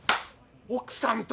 奥さんと。